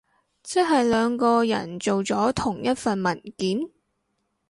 即係兩個人做咗同一份文件？